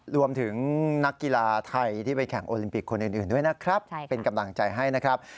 นักกีฬาไทยที่ไปแข่งโอลิมปิกคนอื่นด้วยนะครับเป็นกำลังใจให้นะครับ